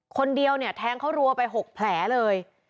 คนเดียวเนี่ยแทงเขารัวไป๖แผลเลย